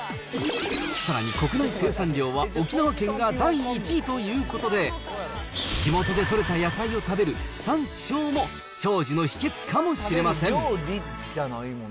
さらに国内生産量は、沖縄県が第１位ということで、地元で取れた野菜を食べる地産地消も、長寿の秘けつかもしれません。